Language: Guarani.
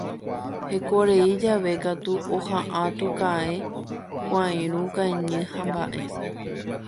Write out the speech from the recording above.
Hekorei jave katu oha'ã tuka'ẽ, kuãirũ kañy hamba'e.